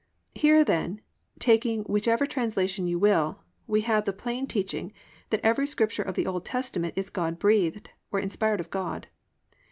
Here, then, taking whichever translation you will, we have the plain teaching that every Scripture of the Old Testament is "God breathed" or "inspired of God."